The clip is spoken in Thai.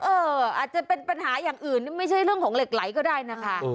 อาจจะเป็นปัญหาอย่างอื่นไม่ใช่เรื่องของเหล็กไหลก็ได้นะคะ